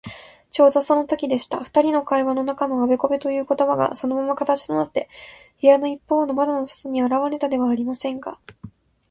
ちょうどそのときでした。ふたりの会話の中のあべこべということばが、そのまま形となって、部屋のいっぽうの窓の外にあらわれたではありませんか。